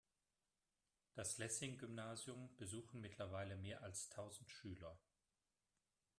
Das Lessing-Gymnasium besuchen mittlerweile mehr als tausend Schüler.